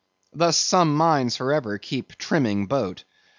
Thus, some minds for ever keep trimming boat.